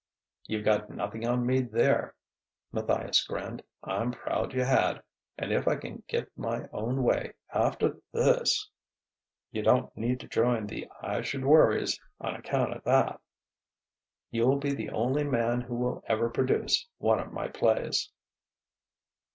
"You've got nothing on me, there," Matthias grinned: "I'm proud you had. And if I can get my own way after this " "You don't need to join the I Should Worries on account of that!" "You'll be the only man who will ever produce one of my plays."